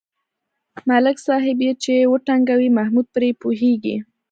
ملک صاحب یې چې و ټنگوي محمود پرې پوهېږي.